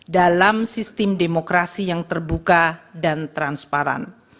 dalam sistem demokrasi yang terbuka dan transparan